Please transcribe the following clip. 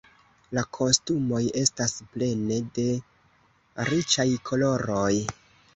La kostumoj estas plene de riĉaj koloroj.